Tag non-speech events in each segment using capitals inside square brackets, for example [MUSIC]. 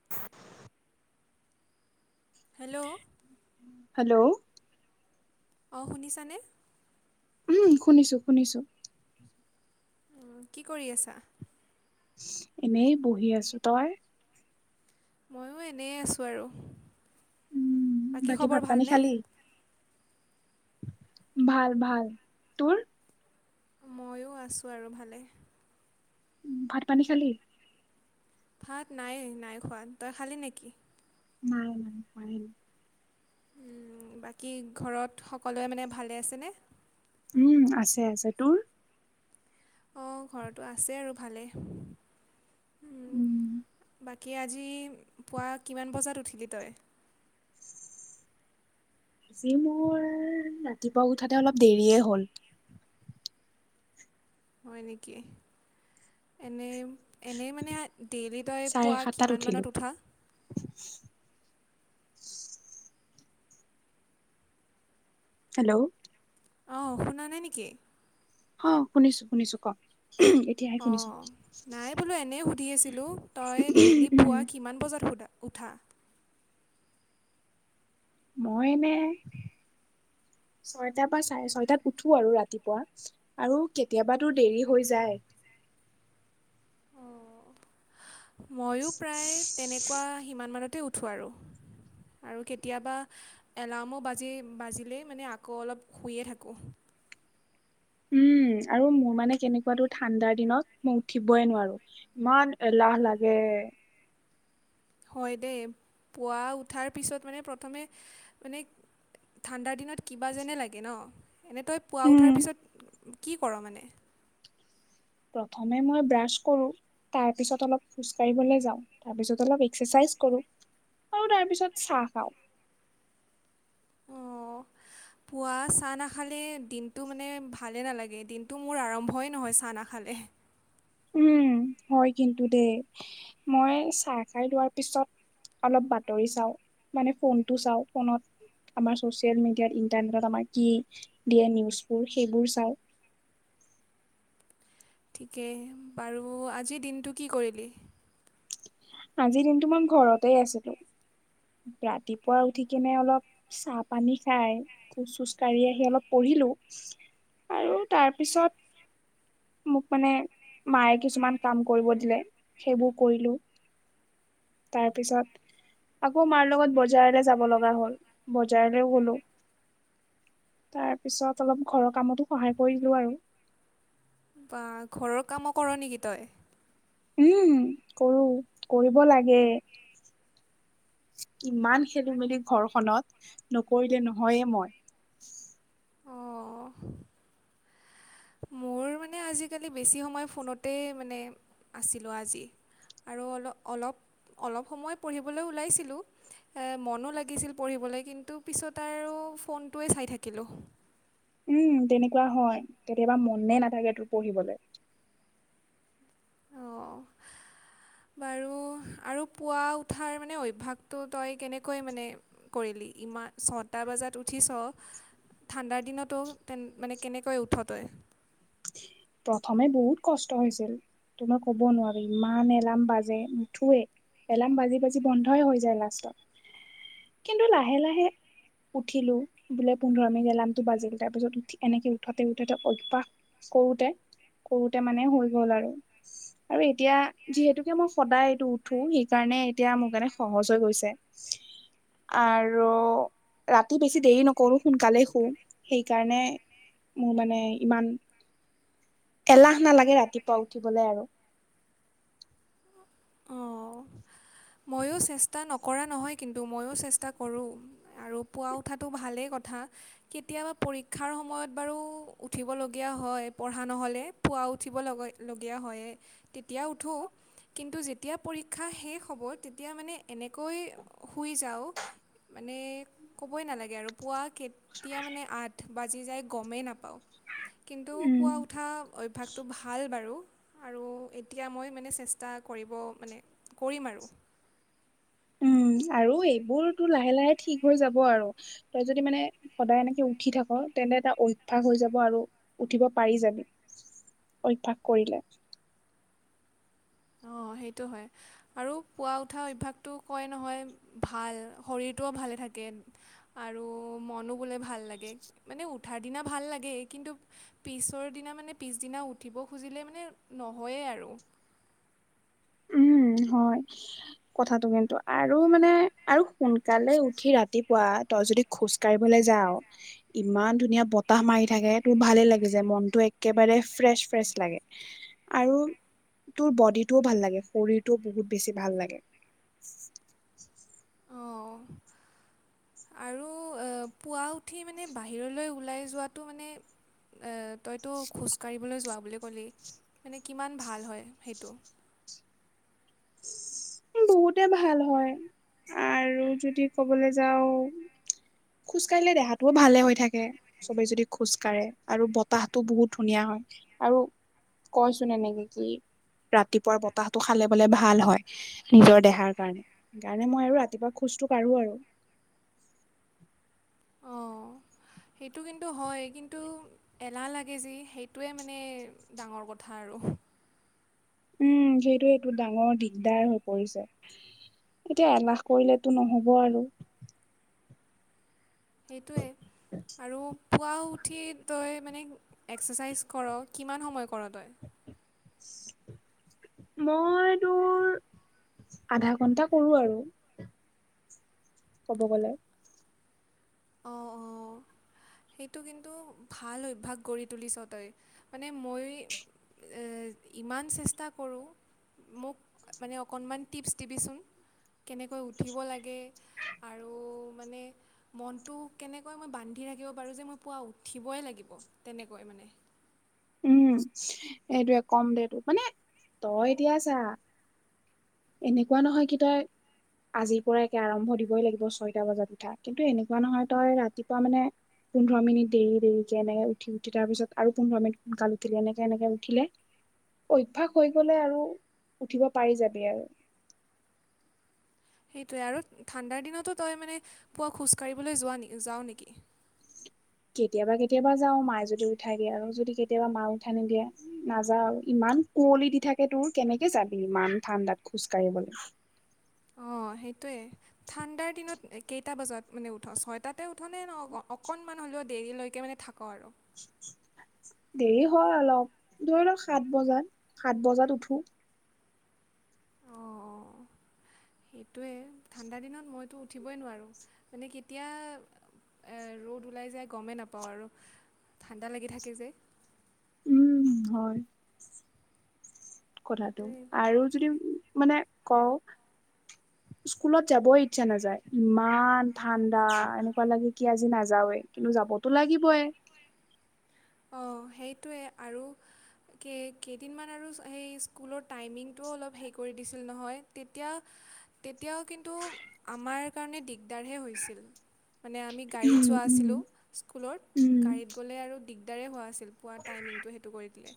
[INAUDIBLE] Hello. Hello. অ', শুনিছানে? উম শুনিছো, শুনিছো। কি কৰি আছা? এনেই বহি আছো, তই? ময়ো এনেই আছোঁ আৰু। উম বাকী খবৰ ভাত পানী ভালনে? খালি ভাল ভাল, তোৰ? ময়ো আছোঁ আৰু ভালে। উ ভাত, পানী খালি? ভাত নাই-নাই খোৱা। তই খালি নেকি? নাই [UNINTELLIGIBLE] উম, বাকী ঘৰত সকলোৱে মানে ভালে আছেনে? উম আছে, আছে, তোৰ? অ', ঘৰতো আছে আৰু ভালেই। উম। বাকী আজি পুৱা কিমান বজাত উঠিলি তই? আজি মোৰ ৰাতিপুৱা উঠাতে অলপ দেৰিয়ে হ'ল। হয় নেকি? এনেই এনেই মানে ডেইলি তই চাৰে পুৱা সাতটাত কিমান উঠিলো মানত উঠা? হেল্ল'? অ', শুনা নাই নেকি? অ', শুনিছো শুনিছো ক। এতিয়াহে শুনিছো অ', নাই বোলো এনেই সুধি আছিলোঁ, তই ডেইলি উম পুৱা কিমান বজাত সোধা? উঠা? মই এনে ছয়টাৰ পৰা চাৰে ছয়টাত উঠো আৰু ৰাতিপুৱা। আৰু কেতিয়াবাতো দেৰি হৈ যায়। ময়ো প্ৰায় তেনেকুৱা সিমান মানতে উঠোঁ আৰু। আৰু কেতিয়াবা এলাৰ্মো বাজি বাজিলেই মানে আকৌ অলপ শুইয়ে থাকোঁ। উম আৰু মোৰ মানে কেনেকুৱা তোৰ ঠাণ্ডাৰ দিনত মই উঠিবই নোৱাৰো। ইমান এলাহ লাগে। হয় দেই, পুৱা উঠাৰ পিছত মানে প্ৰথমে মানে ঠাণ্ডাৰ দিনত কিবা যেনে লাগে ন, এনেই তই পোৱা উম, উঠাৰ পিছত কি কৰ মানে? প্ৰথমে মই ব্ৰাছ কৰোঁ। তাৰ পিছ অলপ খোজ কঢ়িবলৈ যাওঁ, তাৰপিছ অলপ এক্চাৰচাইজ কৰো। আৰু তাৰ পিছত চাহ খাওঁ। অহ। পুৱা চাহ নাখালে দিনটো মানে ভালেই নালাগে, দিনটো মোৰ আৰম্ভই নহয় চাহ নাখালে। উম, হয় কিন্তু দেই মই চাহ খাই লোৱাৰ পিছত অলপ বাতৰি চাওঁ, মানে ফোনটো চাওঁ ফোনত আমাৰ চচিয়েল মিডিয়াত ইণ্টাৰনেটত আমাৰ কি দিয়ে নিউজবোৰ সেইবোৰ চাও। ঠিকে বাৰু আজিৰ দিনটো কি কৰিলি? আজিৰ দিনটো মই ঘৰতে আছিলো, ৰাতিপুৱা উঠি কিনে অলপ চাহ পানী খাই, খোজ চোজ কাঢ়ি আহি অলপ পঢ়িলো। আৰু তাৰপিছত মোক মানে মায়ে কিছুমান কাম কৰিব দিলে, সেইবোৰ কৰিলো। তাৰপিছত আকৌ মাৰ লগত বজাৰলে যাব লগা হ'ল, বজাৰলৈও গলো। তাৰপিছত অলপ ঘৰৰ কামতো সহায় কৰিলো আৰু। বা ঘৰৰ কামো কৰ নেকি তই! উম কৰো কৰিব লাগে। কিমান খেলি মেলি ঘৰখনত নকৰিলে নহয়ে মই। অঁ মোৰ মানে আজিকালি বেছি সময় ফোনতেই মানে আছিলোঁ আজি। আৰু অল অলপ অলপ সময় পঢ়িবলৈ ওলাইছিলোঁ। এ মনো লাগিছিল পঢ়িবলৈ কিন্তু পিছত আৰু ফোনটোৱে চাই থাকিলোঁ। উম তেনেকুৱা হয়, কেতিয়াবা মনে নাথাকে তোৰ পঢ়িবলে। অঁ। বাৰু আৰু পুৱা উঠাৰ মানে অভ্যাসটো তই কেনেকৈ মানে কৰিলি ইমান ছটা বজাত উঠিছ ঠাণ্ডাৰ দিনতো তেন মানে কেনেকৈ উঠ তই? প্ৰথমে বহুত কষ্ট হৈছিল, তোমাৰ কব নোৱাৰি ইমান এলাৰ্ম বাজে নুঠোৱে। এলাৰ্ম বাজি বাজি বন্ধই হৈ যায় লাষ্টত, কিন্তু লাহে লাহে উঠিলো বোলে পোন্ধৰ মিনিট এলাৰ্মটো বাজিল তাৰপিছত উঠি এনেকে উঠোতে উঠোতে অভ্যাস কৰোতে কৰোতে মানে হৈ গল আৰু। আৰু এতিয়া যিহেতুকে মই সদায় এইটো উঠো সেইকাৰণে এতিয়া মোৰ কাৰণে সহজ হৈ গৈছে। [INAUDIBLE] আৰু ৰাতি বেছি দেৰি নকৰোঁ সোনকালে শুওঁ সেইকাৰণে মোৰ মানে ইমান এলাহ নালাগে ৰাতিপুৱা উঠিবলে আৰু। অঁ ময়ো চেষ্টা নকৰা নহয় কিন্তু ময়ো চেষ্টা কৰোঁ। আৰু পোৱা উঠাটো ভালেই কথা। কেতিয়াবা পৰীক্ষাৰ সময়ত বাৰু উঠিব লগীয়া হয় পঢ়া নহ'লে। পুৱা উঠিব লগা লগীয়া হয়ে, তেতিয়া উঠোঁ কিন্তু যে তিয়া পৰীক্ষা শেষ হ'ব তেতিয়া মানে এনেকৈ শুই যাওঁ মানে ক'বই নালাগে আৰু পুৱা কেতিয়া মানে আঠ বাজি যায় গমেই নাপাওঁ। কিন্তু পোৱা উম উঠা অভ্যাসটো ভাল বাৰু। আৰু এতিয়া মই মানে চেষ্টা কৰিব মানে কৰিম আৰু। উম আৰু এইবোৰতো লাহে লাহে ঠিক হৈ যাব আৰু। তই যদি মানে সদায় এনেকে উঠি থাক তেন্তে এটা অভ্যাস হৈ যাব আৰু উঠিব পাৰি যাবি অভ্যাস কৰিলে। অঁ সেইটো হয়। আৰু পোৱা উঠা অভ্যাসটো কয় নহয় ভাল, শৰীৰটোও ভালে থাকে। আৰু মনো বোলে ভাল লাগে, মানে উঠাৰ দিনা ভাল লাগে কিন্তু পিছৰ দিনা মানে পিছদিনা উঠিব খুজিলে মানে নহয়েই আৰু। উম হয় কথাটো কিন্তু, আৰু মানে আৰু সোনকালে উঠি ৰাতিপুৱা, তই যদি খোজ কাঢ়িবলে যাও ইমান ধুনীয়া বতাহ মাৰি থাকে তোৰ ভালে লাগি যায়, মনটো একেবাৰে ফ্ৰেচ-ফ্ৰেছ লাগে। আৰু তোৰ বডিটোও ভাল লাগে শৰীৰটোও বহুত বেছি ভাল লাগে। উম। আৰু আ পুৱা উঠি মানে বাহিৰলৈ ওলাই যোৱাটো মানে এ তইতো খোজকাঢ়িবলৈ যোৱা বুলি কলি মানে কিমান ভাল হয় সেইটো? উম বহুতে ভাল হয় আৰু যদি ক'বলৈ যাওঁ। খোজকাঢ়িলে দেহাটোও ভালে হৈ থাকে। চবেই যদি খোজ কাঢ়ে আৰু বতাহটো বহুত ধুনীয়া হয় আৰু কৈচোন এনেকে কি, ৰাতিপুৱা বতাহটো খালে বলে ভাল হয়। নিজৰ দেহাৰ কাৰণে, সেইকাৰণে মই আৰু ৰাতিপুৱা খোজটো কাঢ়ো আৰু। অঁ সেইটো কিন্তু হয় কিন্তু এলাহ লাগে যি সেইটোৱে মানে ডাঙৰ কথা আৰু। উম যিয়েটোৱে এইটো ডাঙৰ দিগদাৰ হৈ পৰিছে। এতিয়া এলাহ কৰিলেতো নহব আৰু। সেইটোৱে আৰু পুৱাও উঠি তই মানে এক্সাৰচাইজ কৰ কিমান সময় কৰ তই? মই তো আধা ঘন্টা কৰো আৰু কব গলে। অ অ। সেইটো কিন্তু ভাল অভ্যাস গঢ়ি তুলিছ তই, মানে মই এ ইমান চেষ্টা কৰোঁ। মোক মানে অকণমান টিপছ দিবিচোন? কেনেকৈ উঠিব লাগে আৰু মানে মনটো কেনেকৈ মই বান্ধি থাকিব পাৰোঁ যে মই পুৱা উঠিবই লাগিব তেনেকৈ মানে? উম এইটোৱে কম দেটো মানে তই এতিয়া চা। এনেকুৱা নহয় কি তাই আজিৰ পৰা একে আৰম্ভ দিবই লাগিব ছয়টা বজাত উঠা কিন্তু এনেকুৱা নহয় তই ৰাতিপুৱা মানে পোন্ধৰ মিনিট দেৰি দেৰিকেনে উঠি - উঠি তাৰ পিছত আৰু পোন্ধৰ মিট [UNINTELLIGIBLE] এনেকে এনেকে উঠিলে অভ্যাস হৈ গলে আৰু উঠিব পাৰি যাবি আৰু। সেইটোৱে আৰু ঠাণ্ডাৰ দিনতো তই মানে পুৱা খোজ কাঢ়িবলৈ যোৱা নে যাওঁ নেকি? কেতিয়াবা কেতিয়াবা যাও মায়ে যদি উঠাই দিয়ে আৰু যদি কেতিয়াবা মা উঠাই নিদিয়ে নাযাও, ইমান কুঁৱলি দি থাকে তোৰ কেনেকে যাবি ইমান ঠাণ্ডাত খোজ কাঢ়িবলে? অ' সেইটোৱে ঠাণ্ডাৰ দিনত এ কেইটা বজাত মানে উঠ ছয়টাতে উঠ নে ন' অক অকণমান হ'লেও দেৰিলৈকে মানে থাক আৰু? দেৰি হয় অলপ, ধৰি লওক সাত বজাত, সাত বজাত উঠো। অ'। সেইটোৱে ঠাণ্ডা দিনত মইতো উঠিবই নোৱাৰোঁ মানে কেতিয়া এ ৰ'দ ওলাই যায় গমেই নাপাওঁ আৰু ঠাণ্ডা লাগি থাকে যে। উম, হয়। কথাটো সেইটোৱে আৰু যদি মানে কওঁ স্কুলত যাবও ইচ্ছা নাযায়। ইমান ঠাণ্ডা, এনেকুৱা লাগে কি আজি নাযাওৱে কিন্তু যাবতো লাগিবই। অঁ', সেইটোৱে আৰু কেই কেইদিনমান আৰু চ সেই স্কুলৰ টাইমিঙটোও অলপ হেৰি কৰি দিছিল নহয় তেতিয়া তেতিয়াও কিন্তু আমাৰ কাৰণে দিগদাৰহে হৈছিল। মানে আমি গাড়ীত উম যোৱা উম আছিলোঁ স্কুলত, উম গাড়ীত গ'লে আৰু দিগদাৰে হোৱা আছি ইল পোৱাৰ টাইমিংটো সেইটো কৰি দিলে।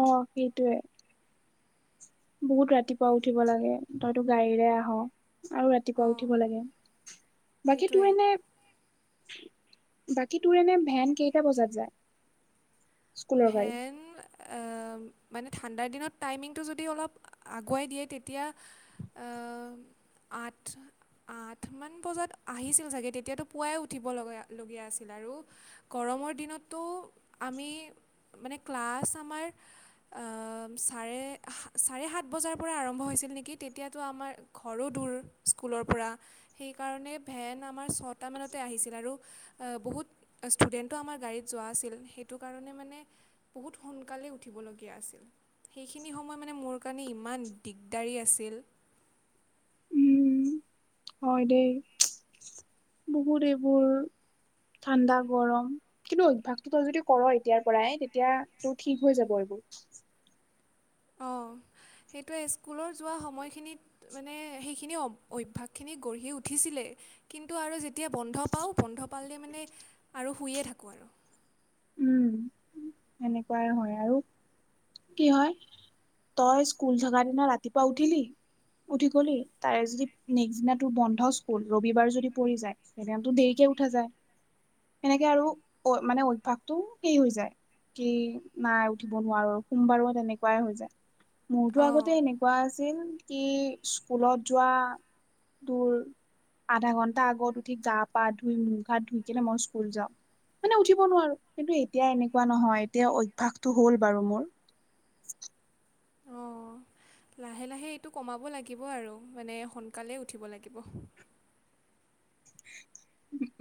অ', সেইটোৱে। বহুত ৰাতিপুৱা উঠিব লাগে তইতো গাড়ীৰে আহ। আৰু ৰাতিপুৱা অঁ উঠিব লাগে বাকী সেইটোৱে তোৰ এনে বাকী তোৰ এনে ভেন কেইটা বজাত যায়? স্কুলৰ গাড়ী ভেন মানে ঠাণ্ডাৰ দিনত টাইমিংটো যদি অলপ আগুৱাই দিয়ে তেতিয়া আঠ আঠমান বজাত আহিছিল চাগে তেতিয়াতো পুৱাই উঠিব লগা লগীয়া আছিল আৰু। গৰমৰ দিনতো আমি মানে ক্লাছ আমাৰ চাৰে চাৰে সাত বজাৰ পৰা আৰম্ভ হৈছিল নেকি তেতিয়াতো আমাৰ ঘৰো দূৰ স্কুলৰ পৰা সেইকাৰণে ভেন আমাৰ ছটামানতে আহিছিল আৰু বহুত ষ্টুডেণ্টো আমাৰ গাড়ীত যোৱা আছিল সেইটো কাৰণে মানে বহুত সোনকালেই উঠিবলগীয়া আছিল। সেইখিনি সময় মানে মোৰ কাৰণে ইমান দিগদাৰী আছিল। উম হয় দেই বহুত এইবোৰ ঠাণ্ডা গৰম। কিন্তু অভ্যয়াসতটো তই যদি ক'ৰ এতিয়াৰ পৰাই তেতিয়া তোৰ ঠিক হৈ যাব এইবোৰ। অ', সেইটোৱে স্কুলৰ যোৱা সময়খিনিত মানে সেইখিনি অভ্যাসখিনি গঢ়ি উঠিছিলে। কিন্তু আৰু যেতিয়া বন্ধ পাওঁ বন্ধ পালে মানে আৰু শুইয়ে থাকোঁ আৰু। উম, সেনেকুৱাই হয় আৰু কি হয় তই স্কুল থকা দিনা ৰাতিপুৱা উঠিলি উঠি গলি তাৰে যদি নেক্স দিনা তোৰ বন্ধ স্কুল ৰবিবাৰ যদি পঢ়ি যায় সেইদিনা দেৰিকে উঠা যায়। সেনেকে আৰু অ', মানে অভ্যাস তটো সেই হৈ যায় কি নাই উঠিব নোৱাৰো সোমবাৰো তেনেকুৱাই হৈ যায়। মোৰতো অঁ আগতে এনেকুৱা আছিল কি স্কুলত যোৱা দৰ আধা ঘণ্টা আগত উঠি গা পা ধুই মুখ ঘাত ধুই কেনে মই স্কুল যাওঁ। মানে উঠিব নোৱাৰো কিন্তু এতিয়া এনেকুৱা নহয় এতিয়া অভ্যাটো হ'ল বাৰু মোৰ। অ'। লাহে, লাহে এইটো কমাব লাগিব আৰু মানে সোনকালে উঠিব লাগিব।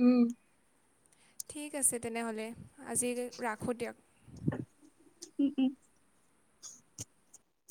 উম। ঠিক আছে তেনেহ'লে আজি ৰাখোঁ দিয়ক। উম, উম।